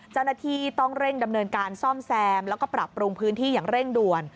เจ้าหน้าที่ต้องเร่งดำเนินการซ่อมแซมแล้วก็ปรับปรุงพื้นที่อย่างเร่งด่วน